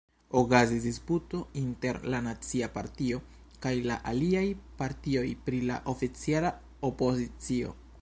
Okazis disputo inter la Nacia Partio kaj la aliaj partioj pri la oficiala opozicio.